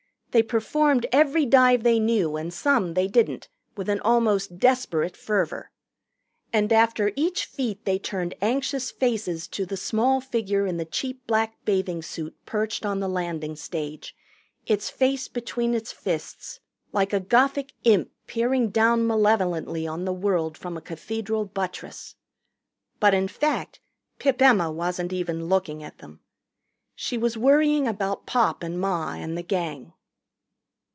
They performed every dive they knew and some they didn't, with an almost desperate fervor. And after each feat they turned anxious faces to the small figure in the cheap black bathing suit perched on the landing stage, its face between its fists, like a Gothic imp peering down malevolently on the world from a cathedral buttress. But in fact Pip Emma wasn't even looking at them. She was worrying about Pop and Ma and the Gang.